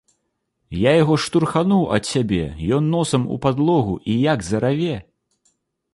Я яго штурхануў ад сябе, ён носам у падлогу і як зараве!